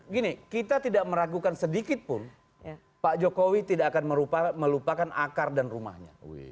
gini kita tidak meragukan sedikitpun pak jokowi tidak akan melupakan akar dan rumahnya